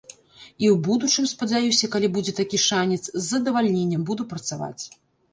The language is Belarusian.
І ў будучым, спадзяюся, калі будзе такі шанец, з задавальненнем буду працаваць.